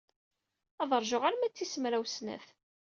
Ad ṛjuɣ arma d tis mraw snat.